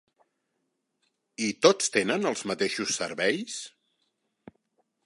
I tots tenen els mateixos serveis?